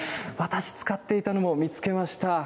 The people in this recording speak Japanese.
私、使っていたのも見つけました。